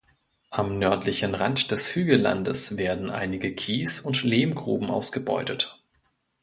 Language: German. Am nördlichen Rand des Hügellandes werden einige Kies- und Lehmgruben ausgebeutet.